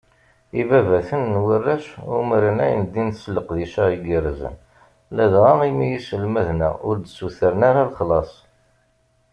Ibabaten n warrac umren ayendin s leqdic-a igerrzen, ladɣa imi iselmaden-a ur d-ssutren ara lexlaṣ.